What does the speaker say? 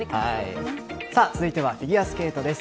続いてはフィギュアスケートです。